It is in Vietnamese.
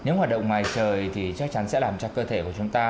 nếu hoạt động ngoài trời thì chắc chắn sẽ làm cho cơ thể của chúng ta